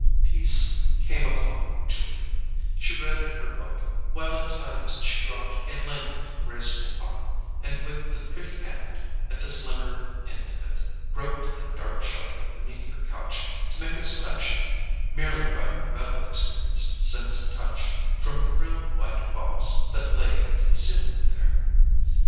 Peace came upon Julia: she read in her book, while at times she dropped a languid, graceful arm, and, with the pretty hand at the slimmer end of it, groped in a dark shelter beneath her couch to make a selection, merely by her well experienced sense of touch, from a frilled white box that lay in concealment there.